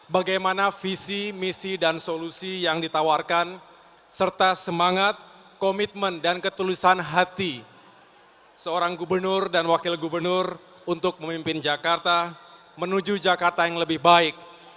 bagaimana visi misi dan solusi yang ditawarkan serta semangat komitmen dan ketulusan hati seorang gubernur dan wakil gubernur untuk memimpin jakarta menuju jakarta yang lebih baik